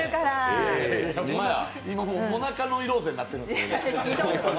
今、もなかノイローゼになってるんですよ。